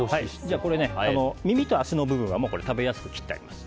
耳と足の部分は食べやすく切ってあります。